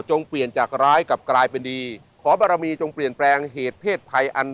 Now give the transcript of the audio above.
เปลี่ยนจากร้ายกลับกลายเป็นดีขอบารมีจงเปลี่ยนแปลงเหตุเพศภัยอัน